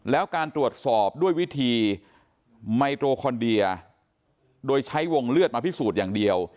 แล้วการตรวจสอบด้วยวิธีไมโตรคอนเดียโดยใช้วงเลือดมาพิสูจน์อย่างเดียว